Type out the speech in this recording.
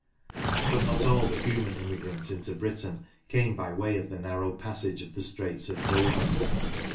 But not all the human immigrants into Britain came by way of the narrow passage of the Straits of Dover.